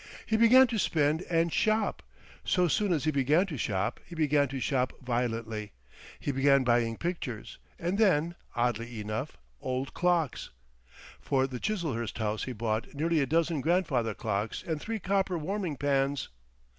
He began to spend and "shop." So soon as he began to shop, he began to shop violently. He began buying pictures, and then, oddly enough, old clocks. For the Chiselhurst house he bought nearly a dozen grandfather clocks and three copper warming pans.